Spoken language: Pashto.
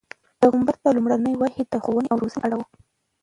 پیغمبر ته لومړنۍ وحی د ښوونې او روزنې په اړه وه.